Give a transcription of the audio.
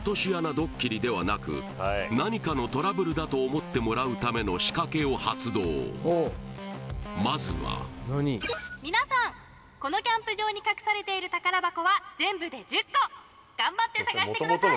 ドッキリではなく何かのトラブルだと思ってもらうための仕掛けを発動まずは皆さんこのキャンプ場に隠されている宝箱は全部で１０個頑張って探してください